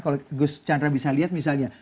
kalau gus chandra bisa lihat misalnya